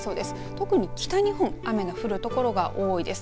特に北日本雨の降るところが多いです。